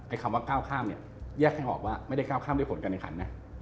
ไอคำว่าก้าวข้ามเนี่ยแยกให้ออกว่าไม่ได้ก้าวข้ามได้ผลกันในขันเนี่ย